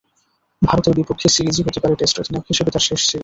ভারতের বিপক্ষে সিরিজই হতে পারে টেস্ট অধিনায়ক হিসেবে তাঁর শেষ সিরিজ।